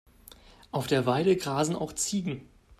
Auf der Weide grasen auch Ziegen.